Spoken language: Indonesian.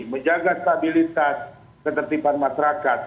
menjaga stabilitas ketertiban masyarakat